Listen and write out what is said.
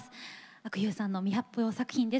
阿久悠さんの未発表作品です。